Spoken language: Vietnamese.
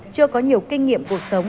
chưa có nhiều kinh nghiệm cuộc sống